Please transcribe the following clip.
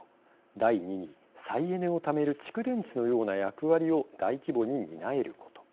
第二に、再エネをためる蓄電地のような役割を大規模に担えること。